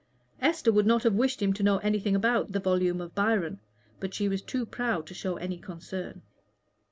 Esther would not have wished him to know anything about the volume of Byron, but she was too proud to show any concern.